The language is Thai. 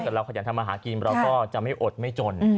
แต่เราขยันทำมาหากินเราก็จะไม่อดไม่จน